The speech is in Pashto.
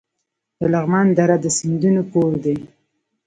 د لغمان دره د سیندونو کور دی